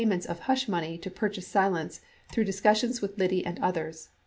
XXVHI ments of "hush" money to purchase silence through discussions with Liddy and others.